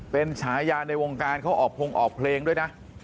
เป็นฉายาในวงการเขาออกพงออกเพลงด้วยนะ